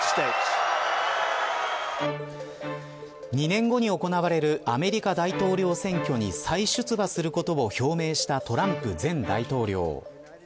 ２年後に行われるアメリカ大統領選挙に再出馬することを表明したトランプ前大統領。